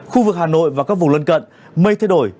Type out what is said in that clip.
khu vực hà nội và các vùng lân cận mây thay đổi